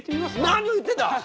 何を言ってるんだ！